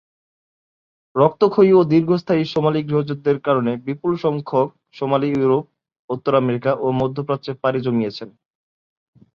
রক্তক্ষয়ী ও দীর্ঘস্থায়ী সোমালি গৃহযুদ্ধের কারণে বিপুল সংখ্যক সোমালি ইউরোপ, উত্তর আমেরিকা ও মধ্যপ্রাচ্যে পাড়ি জমিয়েছেন।